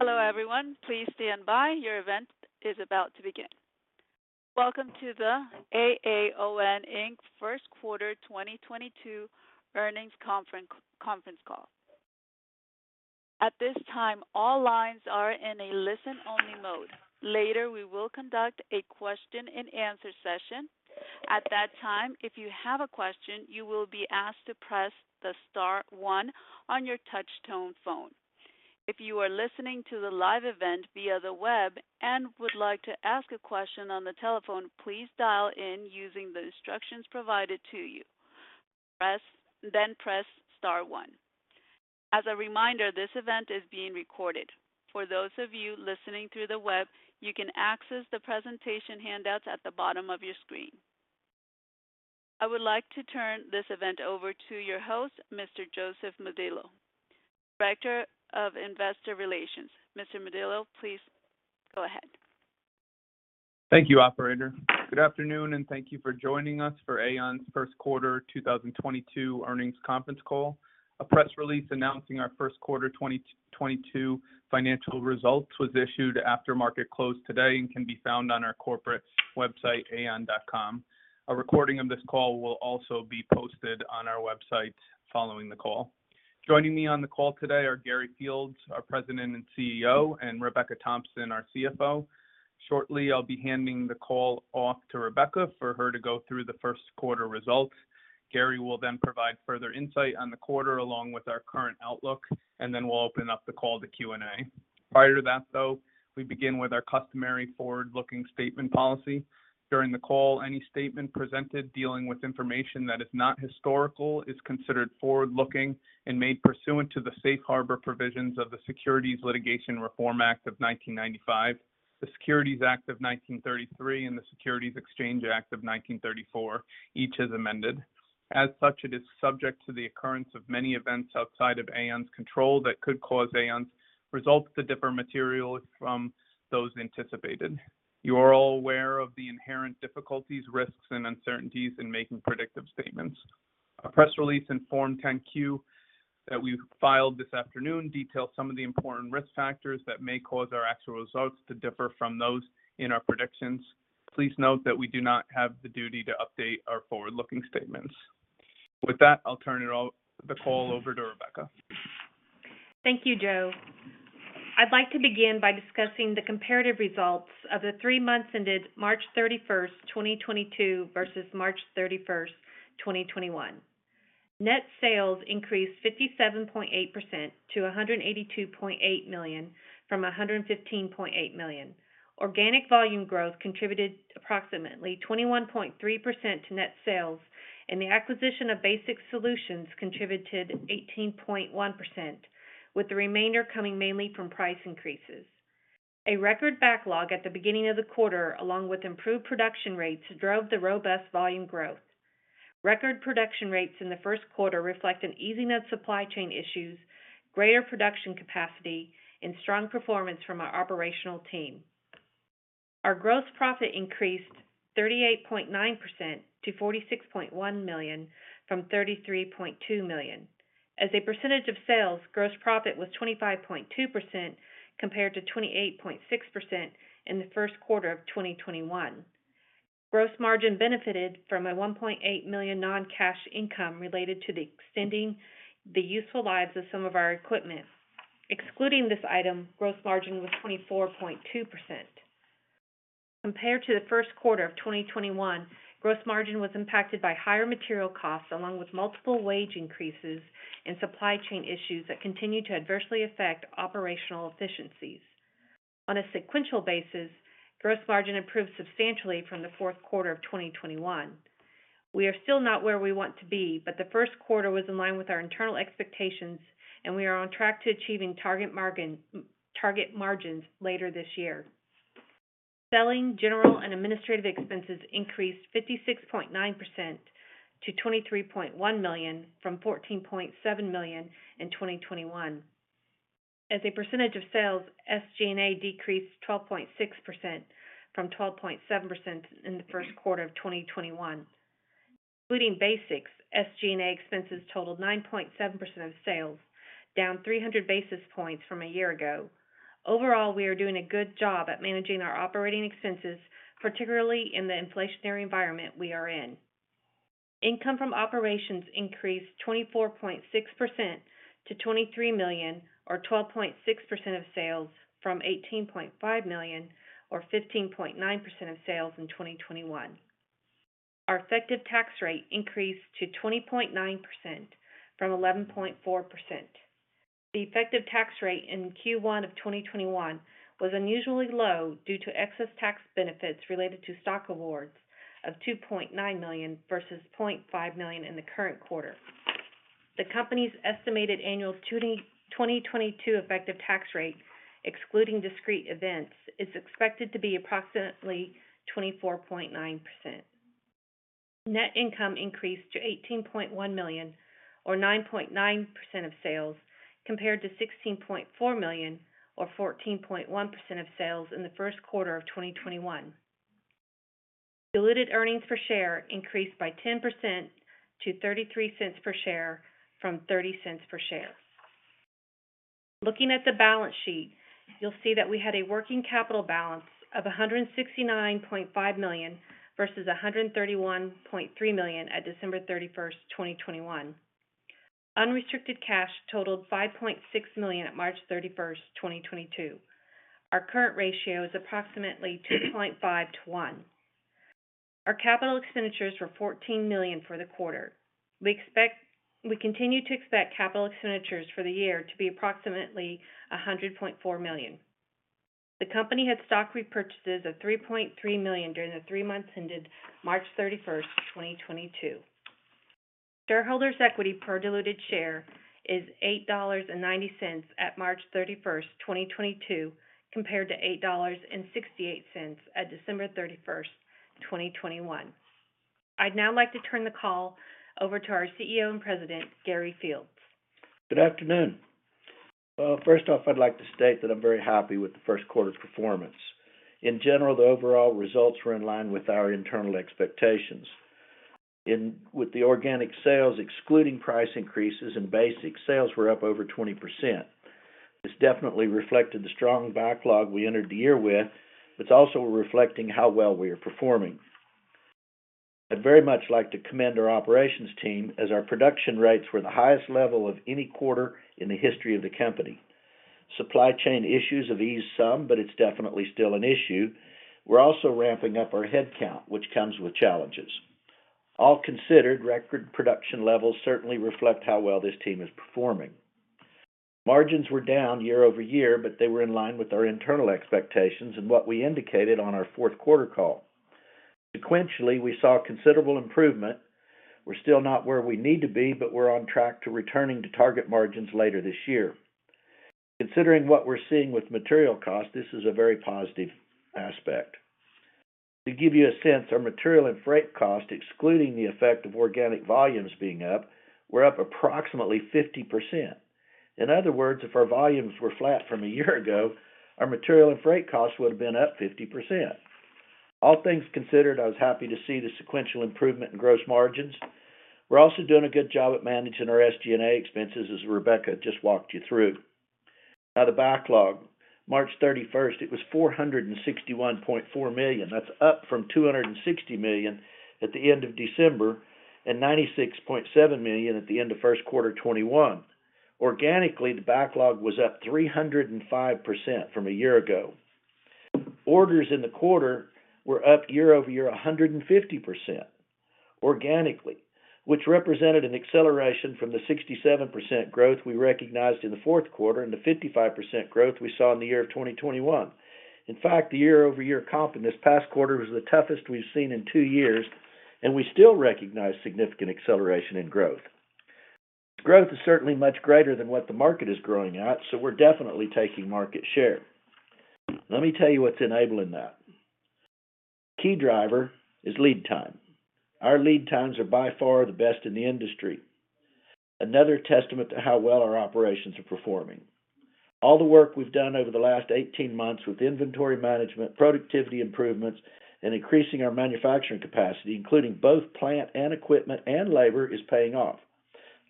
Hello, everyone. Please stand by. Your event is about to begin. Welcome to the AAON, Inc. First Quarter 2022 Earnings Conference Call. At this time, all lines are in a listen-only mode. Later, we will conduct a question and answer session. At that time, if you have a question, you will be asked to press star one on your touch tone phone. If you are listening to the live event via the web and would like to ask a question on the telephone, please dial in using the instructions provided to you. Then press star one. As a reminder, this event is being recorded. For those of you listening through the web, you can access the presentation handouts at the bottom of your screen. I would like to turn this event over to your host, Mr. Joseph Mondillo, Director of Investor Relations. Mr. Mondillo, please go ahead. Thank you, Operator. Good afternoon, and thank you for joining us for AAON's first quarter 2022 earnings conference call. A press release announcing our first quarter 2022 financial results was issued after market close today and can be found on our corporate website, aaon.com. A recording of this call will also be posted on our website following the call. Joining me on the call today are Gary Fields, our President and CEO, and Rebecca Thompson, our CFO. Shortly, I'll be handing the call off to Rebecca for her to go through the first quarter results. Gary will then provide further insight on the quarter along with our current outlook and then we'll open up the call to Q&A. Prior to that, though, we begin with our customary forward-looking statement policy. During the call, any statement presented dealing with information that is not historical is considered forward-looking and made pursuant to the Safe Harbor Provisions of the Private Securities Litigation Reform Act of 1995, the Securities Act of 1933, and the Securities Exchange Act of 1934, each as amended. As such, it is subject to the occurrence of many events outside of AAON's control that could cause AAON's results to differ materially from those anticipated. You are all aware of the inherent difficulties, risks, and uncertainties in making predictive statements. Our press release and Form 10-Q that we filed this afternoon detail some of the important risk factors that may cause our actual results to differ from those in our predictions. Please note that we do not have the duty to update our forward-looking statements. With that, I'll turn the call over to Rebecca. Thank you, Joe. I'd like to begin by discussing the comparative results of the three months ended March 31st, 2022 versus March 31st, 2021. Net sales increased 57.8% to $182.8 million from $115.8 million. Organic volume growth contributed approximately 21.3% to net sales, and the acquisition of BasX Solutions contributed 18.1%, with the remainder coming mainly from price increases. A record backlog at the beginning of the quarter, along with improved production rates, drove the robust volume growth. Record production rates in the first quarter reflect an easing of supply chain issues, greater production capacity, and strong performance from our operational team. Our gross profit increased 38.9% to $46.1 million from $33.2 million. As a percentage of sales, gross profit was 25.2% compared to 28.6% in the first quarter of 2021. Gross margin benefited from a $1.8 million non-cash income related to extending the useful lives of some of our equipment. Excluding this item, gross margin was 24.2%. Compared to the first quarter of 2021, gross margin was impacted by higher material costs along with multiple wage increases and supply chain issues that continued to adversely affect operational efficiencies. On a sequential basis, gross margin improved substantially from the fourth quarter of 2021. We are still not where we want to be, but the first quarter was in line with our internal expectations, and we are on track to achieving target margin, target margins later this year. Selling general and administrative expenses increased 56.9% to $23.1 million from $14.7 million in 2021. As a percentage of sales, SG&A decreased 12.6% from 12.7% in the first quarter of 2021. Including BasX, SG&A expenses totaled 9.7% of sales, down 300 basis points from a year ago. Overall, we are doing a good job at managing our operating expenses, particularly in the inflationary environment we are in. Income from operations increased 24.6% to $23 million or 12.6% of sales from $18.5 million or 15.9% of sales in 2021. Our effective tax rate increased to 20.9% from 11.4%. The effective tax rate in Q1 of 2021 was unusually low due to excess tax benefits related to stock awards of $2.9 million versus $0.5 million in the current quarter. The company's estimated annual 2022 effective tax rate, excluding discrete events, is expected to be approximately 24.9%. Net income increased to $18.1 million or 9.9% of sales, compared to $16.4 million or 14.1% of sales in the first quarter of 2021. Diluted earnings per share increased by 10% to $0.33 per share from $0.30 per share. Looking at the balance sheet, you'll see that we had a working capital balance of $169.5 million versus $131.3 million at December 31st, 2021. Unrestricted cash totaled $5.6 million at March 31st, 2022. Our current ratio is approximately 2.5 to 1. Our capital expenditures were $14 million for the quarter. We continue to expect capital expenditures for the year to be approximately $100.4 million. The company had stock repurchases of $3.3 million during the three months ended March 31st, 2022. Shareholders equity per diluted share is $8.90 at March 31, 2022, compared to $8.68 at December 31st, 2021. I'd now like to turn the call over to our CEO and President, Gary Fields. Good afternoon. Well, first off, I'd like to state that I'm very happy with the first quarter's performance. In general, the overall results were in line with our internal expectations. With the organic sales, excluding price increases and BasX, sales were up over 20%. This definitely reflected the strong backlog we entered the year with, but it's also reflecting how well we are performing. I'd very much like to commend our operations team as our production rates were the highest level of any quarter in the history of the company. Supply chain issues have eased some, but it's definitely still an issue. We're also ramping up our headcount, which comes with challenges. All considered, record production levels certainly reflect how well this team is performing. Margins were down year-over-year, but they were in line with our internal expectations and what we indicated on our fourth quarter call. Sequentially, we saw considerable improvement. We're still not where we need to be but we're on track to returning to target margins later this year. Considering what we're seeing with material costs, this is a very positive aspect. To give you a sense, our material and freight cost, excluding the effect of organic volumes being up, were up approximately 50%. In other words, if our volumes were flat from a year ago, our material and freight costs would have been up 50%. All things considered, I was happy to see the sequential improvement in gross margins. We're also doing a good job at managing our SG&A expenses, as Rebecca just walked you through. Now the backlog, March 31st, it was $461.4 million. That's up from $260 million at the end of December and $96.7 million at the end of first quarter 2021. Organically, the backlog was up 305% from a year ago. Orders in the quarter were up year-over-year 150% organically, which represented an acceleration from the 67% growth we recognized in the fourth quarter and the 55% growth we saw in the year of 2021. In fact, the year-over-year comp in this past quarter was the toughest we've seen in two years, and we still recognized significant acceleration in growth. This growth is certainly much greater than what the market is growing at, so we're definitely taking market share. Let me tell you what's enabling that. Key driver is lead time. Our lead times are by far the best in the industry. Another testament to how well our operations are performing. All the work we've done over the last 18 months with inventory management, productivity improvements, and increasing our manufacturing capacity, including both plant and equipment and labor, is paying off.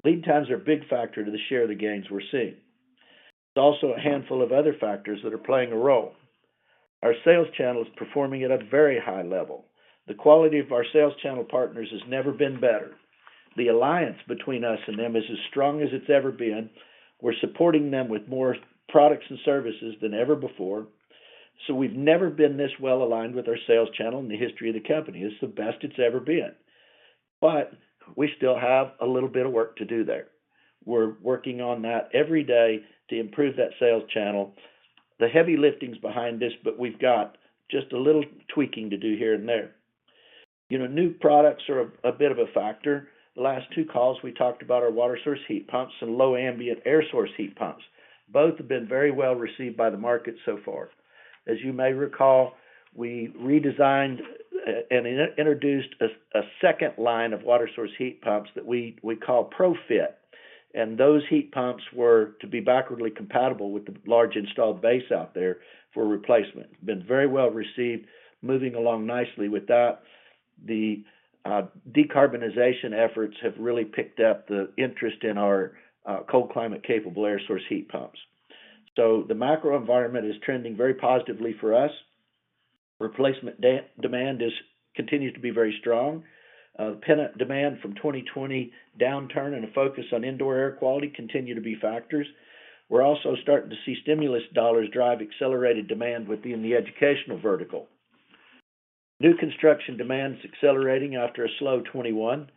Lead times are a big factor to the share of the gains we're seeing. There's also a handful of other factors that are playing a role. Our sales channel is performing at a very high level. The quality of our sales channel partners has never been better. The alliance between us and them is as strong as it's ever been. We're supporting them with more products and services than ever before, so we've never been this well aligned with our sales channel in the history of the company. It's the best it's ever been. We still have a little bit of work to do there. We're working on that every day to improve that sales channel. The heavy lifting's behind this, but we've got just a little tweaking to do here and there. You know, new products are a bit of a factor. The last two calls, we talked about our water-source heat pumps and low ambient air source heat pumps. Both have been very well received by the market so far. As you may recall, we redesigned and introduced a second line of water-source heat pumps that we call ProFit. Those heat pumps were to be backwardly compatible with the large installed base out there for replacement. Been very well received, moving along nicely with that. Decarbonization efforts have really picked up the interest in our cold climate capable air source heat pumps. The macro environment is trending very positively for us. Replacement demand continues to be very strong. Pent-up demand from 2020 downturn and a focus on indoor air quality continue to be factors. We're also starting to see stimulus dollars drive accelerated demand within the educational vertical. New construction demand is accelerating after a slow 2021.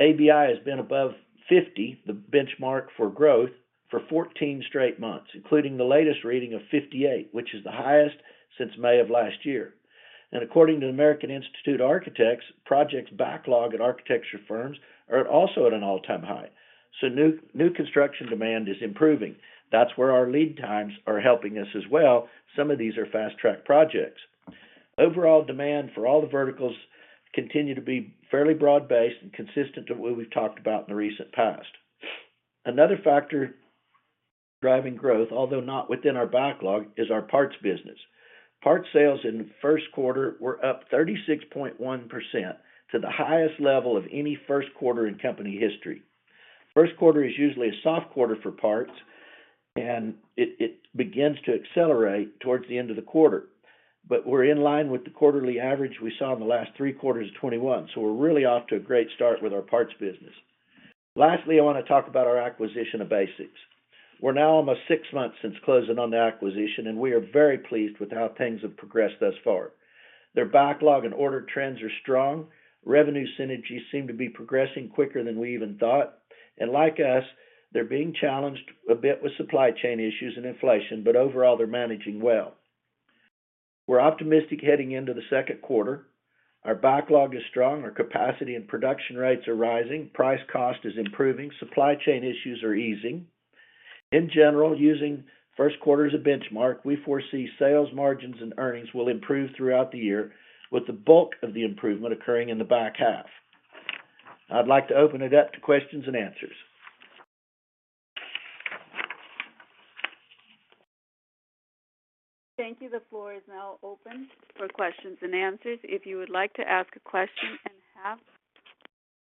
ABI has been above 50, the benchmark for growth, for 14 straight months, including the latest reading of 58, which is the highest since May of last year. According to the American Institute of Architects, projects backlog at architecture firms are also at an all-time high. New construction demand is improving. That's where our lead times are helping us as well. Some of these are fast-track projects. Overall demand for all the verticals continue to be fairly broad-based and consistent to what we've talked about in the recent past. Another factor driving growth, although not within our backlog, is our parts business. Parts sales in the first quarter were up 36.1% to the highest level of any first quarter in company history. First quarter is usually a soft quarter for parts, and it begins to accelerate towards the end of the quarter. We're in line with the quarterly average we saw in the last three quarters of 2021. We're really off to a great start with our parts business. Lastly, I wanna talk about our acquisition of BasX. We're now almost six months since closing on the acquisition, and we are very pleased with how things have progressed thus far. Their backlog and order trends are strong. Revenue synergies seem to be progressing quicker than we even thought. Like us, they're being challenged a bit with supply chain issues and inflation, but overall, they're managing well. We're optimistic heading into the second quarter. Our backlog is strong. Our capacity and production rates are rising. Price cost is improving. Supply chain issues are easing. In general, using first quarter as a benchmark, we foresee sales margins and earnings will improve throughout the year with the bulk of the improvement occurring in the back half. I'd like to open it up to questions and answers. Thank you. The floor is now open for questions and answers. If you would like to ask a question and have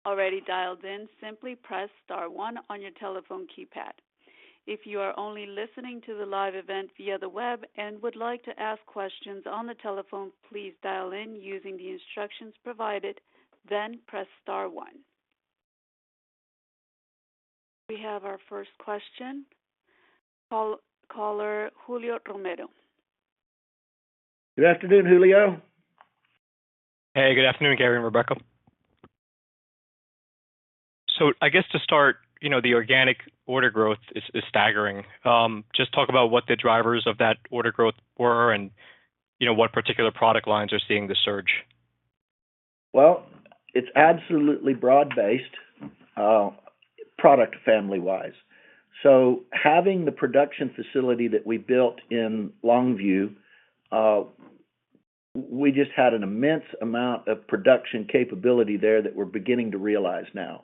already dialed in, simply press star one on your telephone keypad. If you are only listening to the live event via the web and would like to ask questions on the telephone, please dial in using the instructions provided, then press star one. We have our first question. Caller Julio Romero. Good afternoon, Julio. Hey, good afternoon, Gary and Rebecca. I guess to start, you know, the organic order growth is staggering. Just talk about what the drivers of that order growth were and, you know, what particular product lines are seeing the surge. Well, it's absolutely broad-based, product family-wise. Having the production facility that we built in Longview, we just had an immense amount of production capability there that we're beginning to realize now.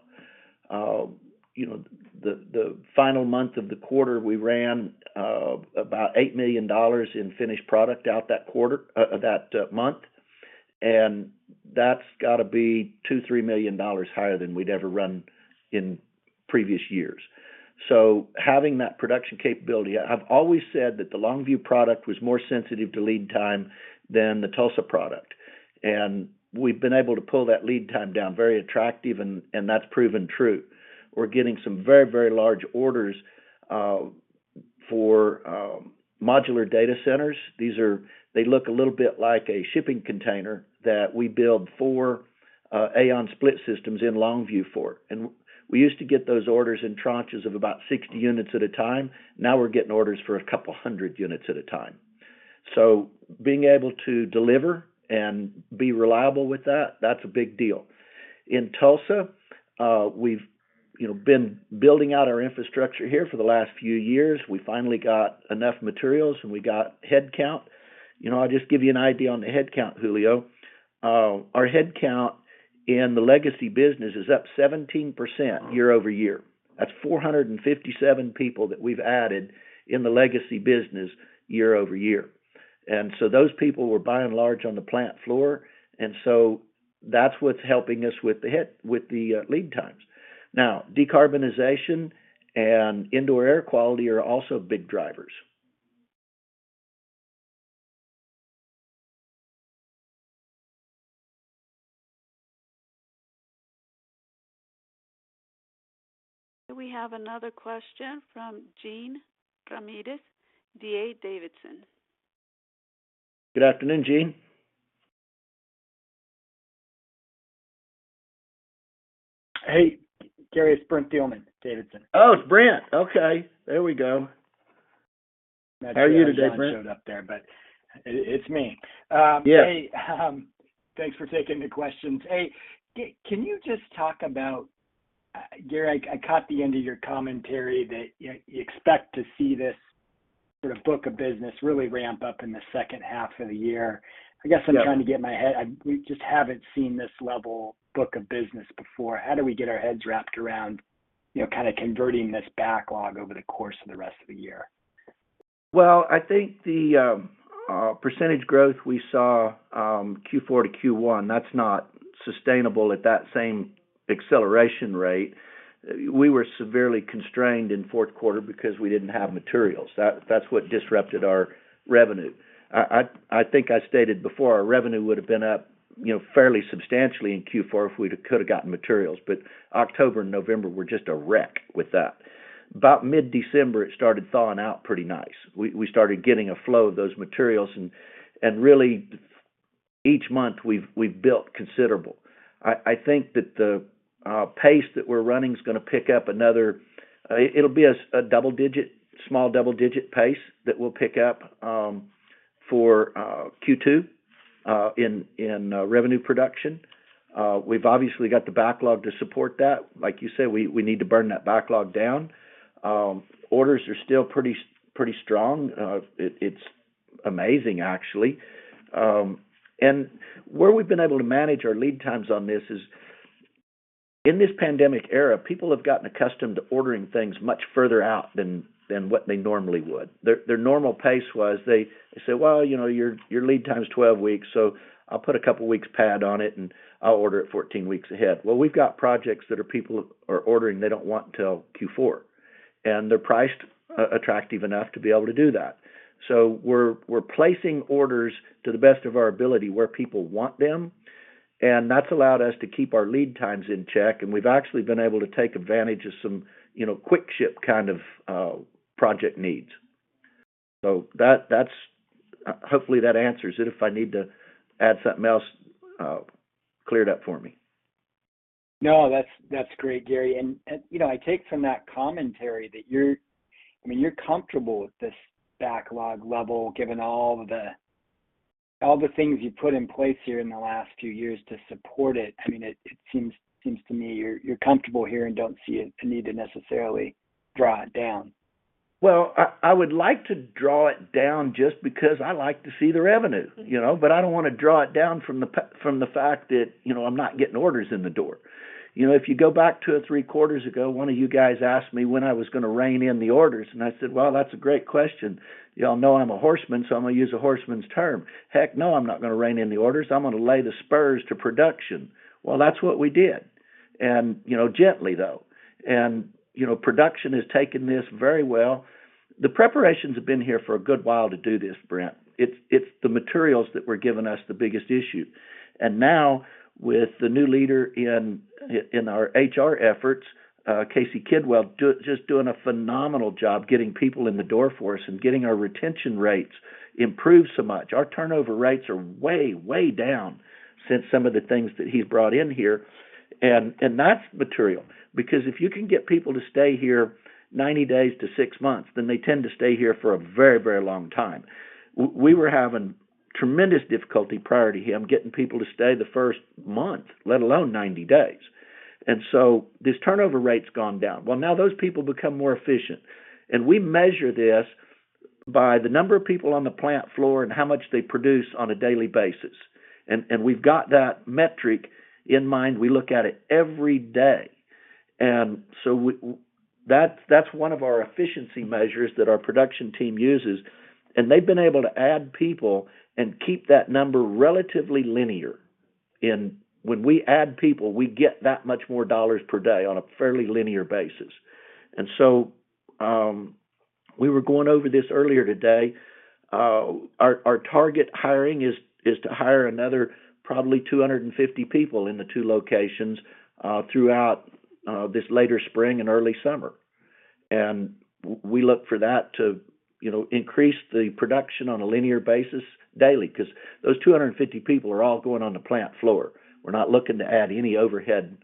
The final month of the quarter, we ran about $8 million in finished product out that quarter, that month. That's gotta be $2-$3 million higher than we'd ever run in previous years. Having that production capability, I've always said that the Longview product was more sensitive to lead time than the Tulsa product. We've been able to pull that lead time down very attractive, and that's proven true. We're getting some very, very large orders for modular data centers. These are. They look a little bit like a shipping container that we build for AAON split systems in Longview for. We used to get those orders in tranches of about 60 units at a time. Now we're getting orders for 200 units at a time. Being able to deliver and be reliable with that's a big deal. In Tulsa, we've, you know, been building out our infrastructure here for the last few years. We finally got enough materials, and we got head count. You know, I'll just give you an idea on the head count, Julio. Our head count in the legacy business is up 17% year-over-year. That's 457 people that we've added in the legacy business year-over-year. Those people were by and large on the plant floor, and so that's what's helping us with the lead times. Now, decarbonization and indoor air quality are also big drivers. We have another question from Brent Thielman, D.A. Davidson. Good afternoon, Gene. Hey, Gary, it's Brent Thielman, D.A. Davidson. Oh, it's Brent. Okay. There we go. Not sure why Gene showed up there, but it's me. Yeah. Hey, thanks for taking the questions. Hey, can you just talk about, Gary, I caught the end of your commentary that you expect to see this sort of book of business really ramp up in the second half of the year. Yeah. We just haven't seen this level book of business before. How do we get our heads wrapped around, you know, kinda converting this backlog over the course of the rest of the year? Well, I think the percentage growth we saw Q4 to Q1, that's not sustainable at that same acceleration rate. We were severely constrained in fourth quarter because we didn't have materials. That's what disrupted our revenue. I think I stated before our revenue would have been up, you know, fairly substantially in Q4 if we could have gotten materials. October and November were just a wreck with that. About mid-December, it started thawing out pretty nice. We started getting a flow of those materials, and really each month we've built considerable. I think that the pace that we're running is gonna pick up another. It'll be a small double-digit pace that we'll pick up for Q2 in revenue production. We've obviously got the backlog to support that. Like you said, we need to burn that backlog down. Orders are still pretty strong. It's amazing actually. Where we've been able to manage our lead times on this is in this pandemic era, people have gotten accustomed to ordering things much further out than what they normally would. Their normal pace was they say, "Well, you know, your lead time is 12 weeks, so I'll put a couple weeks pad on it and I'll order it 14 weeks ahead." Well, we've got projects that people are ordering they don't want till Q4, and they're priced attractive enough to be able to do that. We're placing orders to the best of our ability where people want them, and that's allowed us to keep our lead times in check, and we've actually been able to take advantage of some, you know, quick ship kind of project needs. Hopefully, that answers it. If I need to add something else, clear it up for me. No, that's great, Gary. You know, I take from that commentary that you're comfortable with this backlog level, given all the things you've put in place here in the last few years to support it. I mean, it seems to me you're comfortable here and don't see a need to necessarily draw it down. Well, I would like to draw it down just because I like to see the revenue, you know? But I don't wanna draw it down from the fact that, you know, I'm not getting orders in the door. You know, if you go back two or three quarters ago, one of you guys asked me when I was gonna rein in the orders, and I said, "Well, that's a great question. Y'all know I'm a horseman, so I'm gonna use a horseman's term. Heck, no, I'm not gonna rein in the orders. I'm gonna lay the spurs to production." Well, that's what we did, and, you know, gently, though. You know, production has taken this very well. The preparations have been here for a good while to do this, Brent. It's the materials that were giving us the biggest issue. Now, with the new leader in our HR efforts, Casey Kidwell, just doing a phenomenal job getting people in the door for us and getting our retention rates improved so much. Our turnover rates are way down since some of the things that he's brought in here and that's material. Because if you can get people to stay here 90 days to six months, then they tend to stay here for a very, very long time. We were having tremendous difficulty prior to him getting people to stay the first month, let alone 90 days. This turnover rate's gone down. Well, now those people become more efficient and we measure this by the number of people on the plant floor and how much they produce on a daily basis. We've got that metric in mind. We look at it every day. That, that's one of our efficiency measures that our production team uses and they've been able to add people and keep that number relatively linear. When we add people, we get that much more dollars per day on a fairly linear basis. We were going over this earlier today. Our target hiring is to hire another probably 250 people in the two locations throughout this later spring and early summer. We look for that to increase the production on a linear basis daily, 'cause those 250 people are all going on the plant floor. We're not looking to add any overhead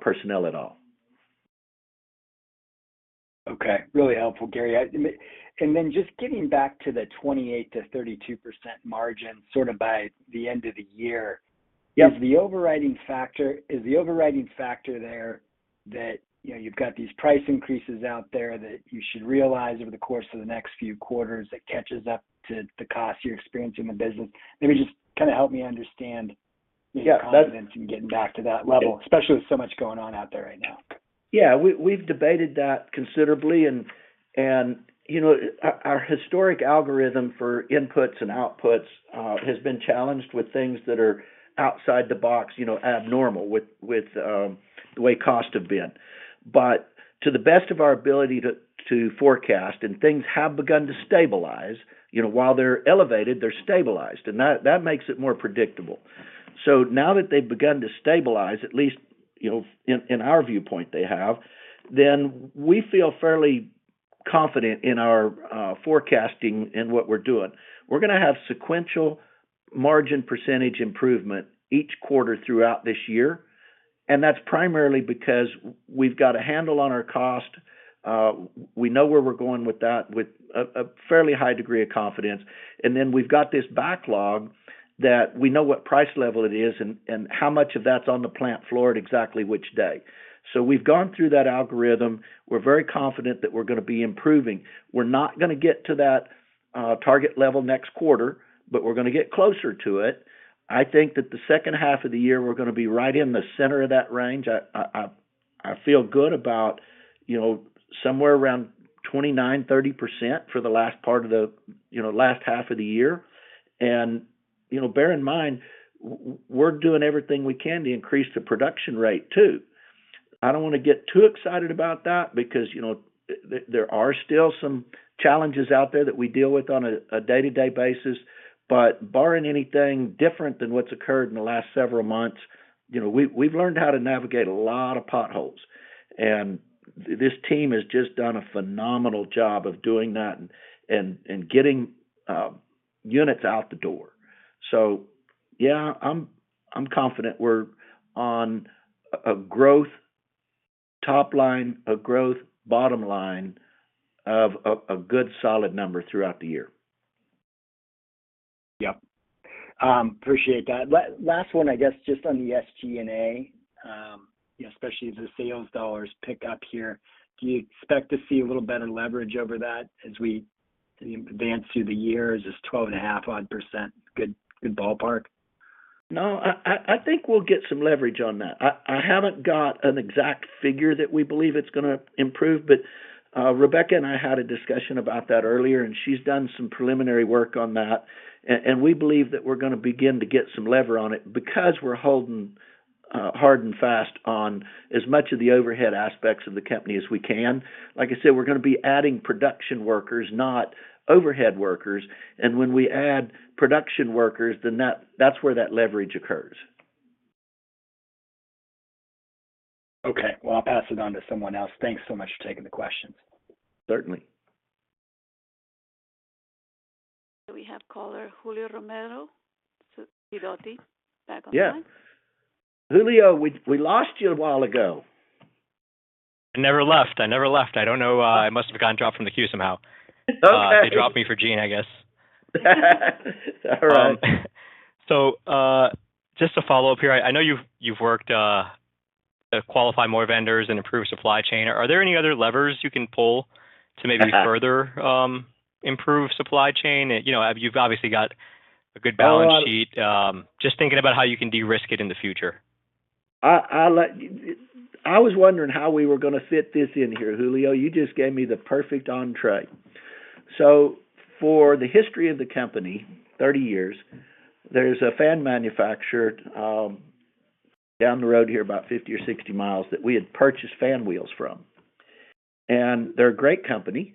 personnel at all. Okay. Really helpful, Gary. Just getting back to the 28%-32% margin sort of by the end of the year. Yep. Is the overriding factor there that, you know, you've got these price increases out there that you should realize over the course of the next few quarters that catches up to the costs you're experiencing in the business? Maybe just kinda help me understand- Yeah, that's. your confidence in getting back to that level, especially with so much going on out there right now? Yeah. We've debated that considerably and, you know, our historic algorithm for inputs and outputs has been challenged with things that are outside the box, you know, abnormal with the way costs have been. To the best of our ability to forecast, and things have begun to stabilize, you know, while they're elevated, they're stabilized, and that makes it more predictable. Now that they've begun to stabilize, at least, you know, in our viewpoint they have, we feel fairly confident in our forecasting and what we're doing. We're gonna have sequential margin percentage improvement each quarter throughout this year, and that's primarily because we've got a handle on our cost. We know where we're going with that with a fairly high degree of confidence. We've got this backlog that we know what price level it is and how much of that's on the plant floor at exactly which day. We've gone through that algorithm. We're very confident that we're gonna be improving. We're not gonna get to that target level next quarter, but we're gonna get closer to it. I think that the second half of the year we're gonna be right in the center of that range. I feel good about, you know, somewhere around 29%-30% for the last part of the, you know, last half of the year. You know, bear in mind we're doing everything we can to increase the production rate too. I don't wanna get too excited about that because, you know, there are still some challenges out there that we deal with on a day-to-day basis. Barring anything different than what's occurred in the last several months, you know, we've learned how to navigate a lot of potholes, and this team has just done a phenomenal job of doing that and getting units out the door. Yeah, I'm confident we're on a growth top line, a growth bottom line of a good solid number throughout the year. Yep. Appreciate that. Last one, I guess, just on the SG&A, you know, especially as the sales dollars pick up here. Do you expect to see a little better leverage over that as we the advance through the years is 12.5 odd%. Good, good ballpark? No, I think we'll get some leverage on that. I haven't got an exact figure that we believe it's gonna improve, but Rebecca and I had a discussion about that earlier, and she's done some preliminary work on that. We believe that we're gonna begin to get some leverage on it because we're holding hard and fast on as much of the overhead aspects of the company as we can. Like I said, we're gonna be adding production workers, not overhead workers. When we add production workers, then that's where that leverage occurs. Okay. Well, I'll pass it on to someone else. Thanks so much for taking the questions. Certainly. We have caller Julio Romero. He got it back online. Yeah. Julio, we lost you a while ago. I never left. I don't know why. I must have gotten dropped from the queue somehow. Okay. They dropped me for Gene, I guess. All right. Just to follow up here, I know you've worked to qualify more vendors and improve supply chain. Are there any other levers you can pull to maybe- Uh-uh. further improve supply chain? You know, you've obviously got a good balance sheet. Well, Just thinking about how you can de-risk it in the future. I was wondering how we were gonna fit this in here, Julio. You just gave me the perfect entrée. For the history of the company, 30 years, there's a fan manufacturer down the road here about 50 or 60 miles that we had purchased fan wheels from. They're a great company.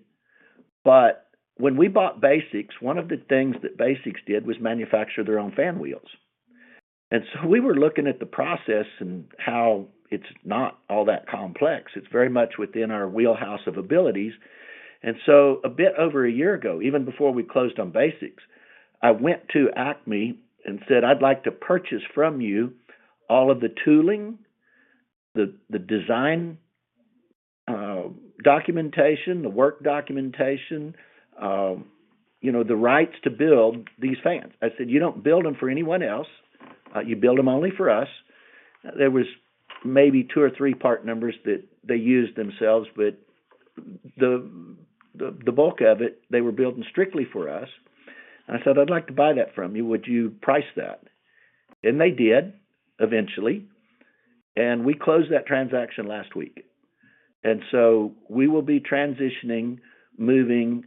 When we bought BasX, one of the things that BasX did was manufacture their own fan wheels. We were looking at the process and how it's not all that complex. It's very much within our wheelhouse of abilities. A bit over a year ago, even before we closed on BasX, I went to Acme and said, "I'd like to purchase from you all of the tooling, the design documentation, the work documentation, you know, the rights to build these fans." I said, "You don't build them for anyone else. You build them only for us." There was maybe two or three part numbers that they used themselves, but the bulk of it, they were building strictly for us. I said, "I'd like to buy that from you. Would you price that?" They did, eventually. We closed that transaction last week. We will be transitioning, moving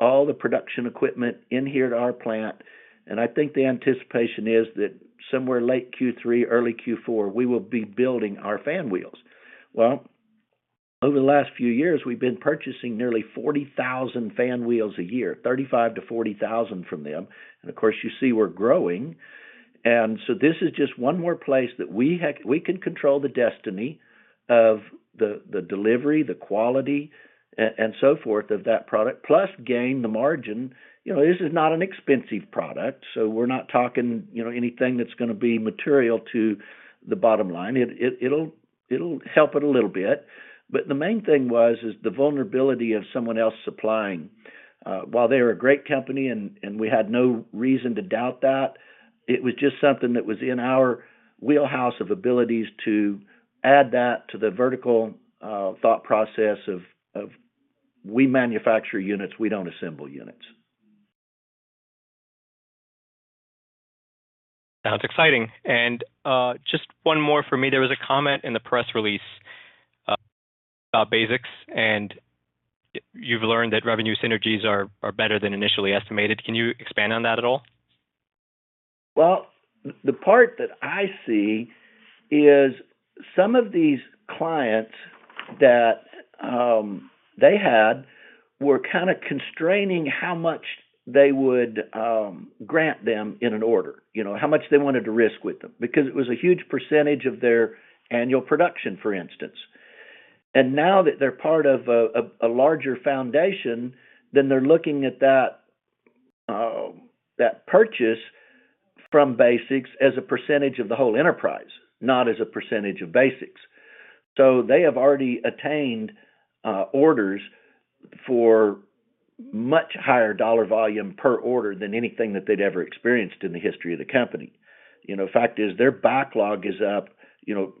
all the production equipment in here to our plant. I think the anticipation is that somewhere late Q3, early Q4, we will be building our fan wheels. Well, over the last few years, we've been purchasing nearly 40,000 fan wheels a year, 35,000-40,000 from them. Of course, you see we're growing. This is just one more place that we can control the destiny of the delivery, the quality, and so forth of that product, plus gain the margin. You know, this is not an expensive product, so we're not talking anything that's gonna be material to the bottom line. It'll help it a little bit, but the main thing is the vulnerability of someone else supplying. While they're a great company and we had no reason to doubt that, it was just something that was in our wheelhouse of abilities to add that to the vertical thought process of we manufacture units, we don't assemble units. Sounds exciting. Just one more for me. There was a comment in the press release about BasX, and you've learned that revenue synergies are better than initially estimated. Can you expand on that at all? Well, the part that I see is some of these clients that they had were kind of constraining how much they would grant them in an order, you know, how much they wanted to risk with them, because it was a huge percentage of their annual production, for instance. Now that they're part of a larger foundation, then they're looking at that purchase from BasX as a percentage of the whole enterprise, not as a percentage of BasX. They have already attained orders for much higher dollar volume per order than anything that they'd ever experienced in the history of the company. You know, fact is their backlog is up, you know,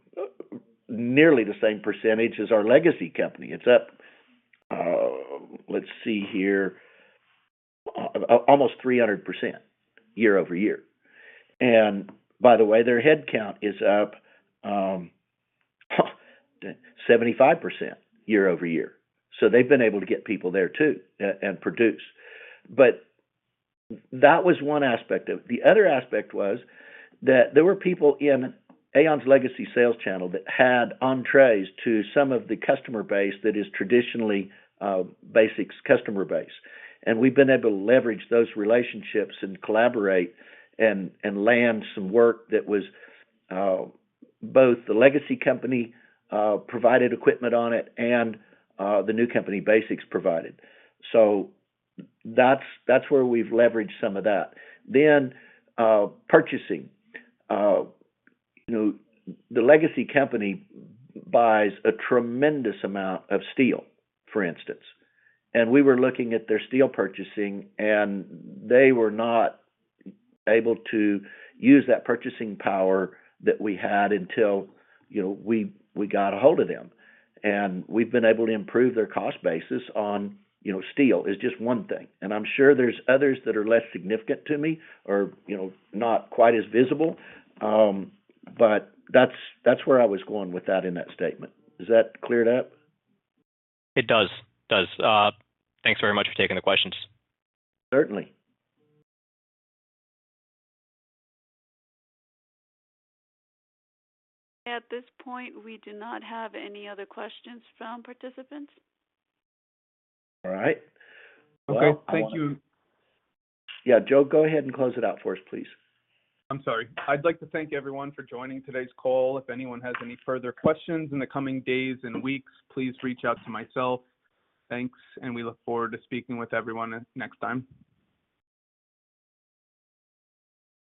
nearly the same percentage as our legacy company. It's up almost 300% year-over-year. By the way, their head count is up 75% year-over-year. They've been able to get people there too, and produce. That was one aspect of it. The other aspect was that there were people in AAON's legacy sales channel that had entrées to some of the customer base that is traditionally BasX's customer base. We've been able to leverage those relationships and collaborate and land some work that was both the legacy company provided equipment on it and the new company, BasX, provided. That's where we've leveraged some of that. Purchasing. You know, the legacy company buys a tremendous amount of steel, for instance. We were looking at their steel purchasing, and they were not able to use that purchasing power that we had until, you know, we got a hold of them. We've been able to improve their cost basis on, you know, steel, is just one thing. I'm sure there's others that are less significant to me or, you know, not quite as visible. But that's where I was going with that in that statement. Does that clear it up? It does. Thanks very much for taking the questions. Certainly. At this point, we do not have any other questions from participants. All right. Okay. Thank you. Yeah. Joe, go ahead and close it out for us, please. I'm sorry. I'd like to thank everyone for joining today's call. If anyone has any further questions in the coming days and weeks, please reach out to myself. Thanks, and we look forward to speaking with everyone next time.